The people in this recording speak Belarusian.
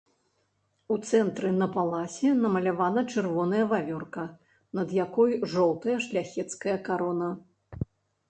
У цэнтры на паласе намалявана чырвоная вавёрка, над якой жоўтая шляхецкая карона.